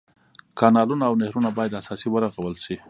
کانلونه او نهرونه باید اساسي ورغول شي.